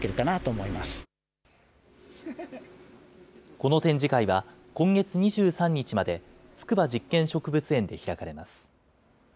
この展示会は、今月２３日まで筑波実験植物園で開かれます。